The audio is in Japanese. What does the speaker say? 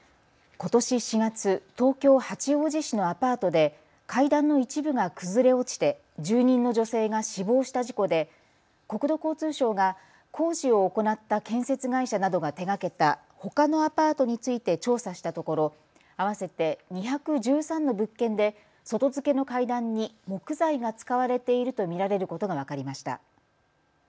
ことし４月、東京八王子市のアパートで階段の一部が崩れ落ちて住人の女性が死亡した事故で国土交通省が工事を行った建設会社などが手がけたほかのアパートについて調査したところ、合わせて２１３の物件で外付けの階段に木材が使われていると見られることが分かりました。